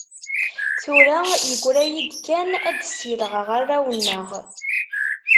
Tura yegra-yi-d kan ad ssilɣeɣ arraw-nneɣ.